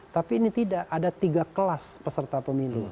tapi ini tidak ada tiga kelas peserta pemilu